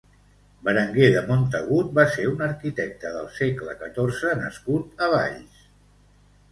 Berenguer de Montagut va ser un arquitecte del segle catorze nascut a Valls.